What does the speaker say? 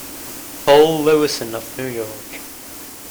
Paul Lewison of New York.